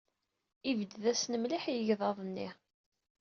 Yebded-asen mliḥ i yegḍaḍ-nni.